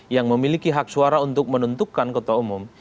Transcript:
yang memiliki hak suara untuk menentukan ketua umum